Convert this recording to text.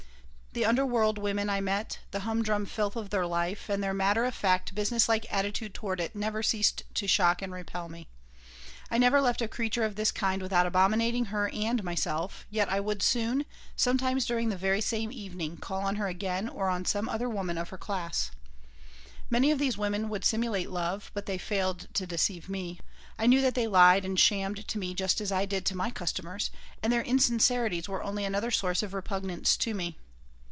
The underworld women I met, the humdrum filth of their life, and their matter of fact, business like attitude toward it never ceased to shock and repel me. I never left a creature of this kind without abominating her and myself, yet I would soon, sometimes during the very same evening, call on her again or on some other woman of her class Many of these women would simulate love, but they failed to deceive me. I knew that they lied and shammed to me just as I did to my customers, and their insincerities were only another source of repugnance to me.